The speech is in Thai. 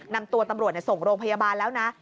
นำตัวตำรวจส่งโรงพยาบาลแล้วนะ